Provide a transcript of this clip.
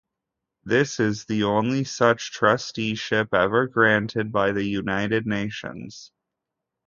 This is the only such trusteeship ever granted by the United Nations.